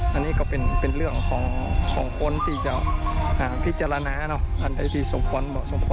อันนี้ก็เป็นเรื่องของคนที่จะพิจารณาน่าอันไหนปีสมควร